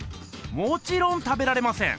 もちろん食べられません。